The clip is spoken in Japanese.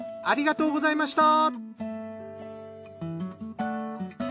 ありがとうございます。